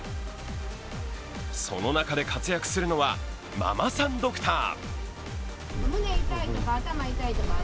その中で活躍するのは、ママさんドクター。